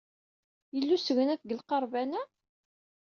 Yella usegnaf deg lqerban-a?